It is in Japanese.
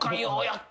って。